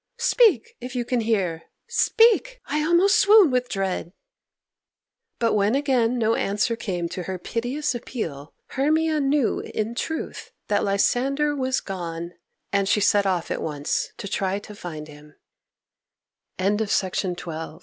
Speak, if you can hear! Speak! I almost swoon with dread." But when again no answer came to her piteous appeal, Hermia knew in truth that Lysander was gone, and she set off at once to try to fi